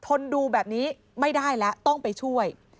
นดูแบบนี้ไม่ได้แล้วต้องไปช่วย